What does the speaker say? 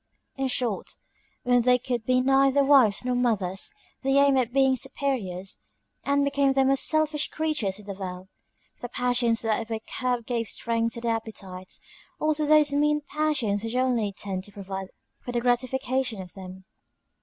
In short, when they could be neither wives nor mothers, they aimed at being superiors, and became the most selfish creatures in the world: the passions that were curbed gave strength to the appetites, or to those mean passions which only tend to provide for the gratification of them.